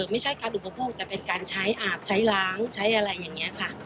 ไม่ใช่การอุปโภคแต่เป็นการใช้อาบใช้ล้างใช้อะไรอย่างนี้ค่ะ